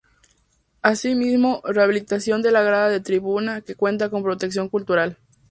Asimismo, rehabilitación de la grada de tribuna, que cuenta con protección cultural.